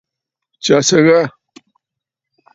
Tsyàsə̀ ghâ.